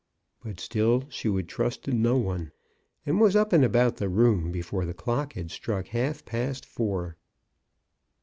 But still she would trust to no one, and was up and about the room before the clock had struck half past four.